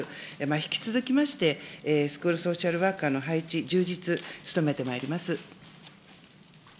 引き続きまして、スクールソーシャルワーカーの配置、充実、努めてまいります。